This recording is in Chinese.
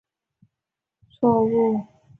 因此而计算出来的距离会是错武的。